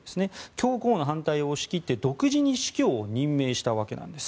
教皇の反対を押し切って独自に司教を任命したわけなんです。